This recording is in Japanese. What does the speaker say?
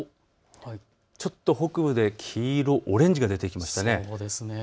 ちょっと北部で黄色、オレンジが出てきましたね。